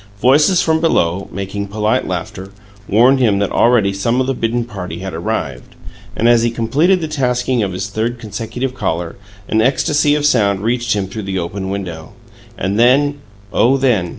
Voices from below, making polite laughter, warned him that already some of the bidden party had arrived, and, as he completed the fastening of his third consecutive collar, an ecstasy of sound reached him through the open window and then, Oh then!